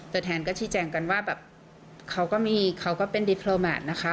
ตัวแทนก็ที่แจ่งกันว่าเขาก็เป็นดิพลอแมตนะคะ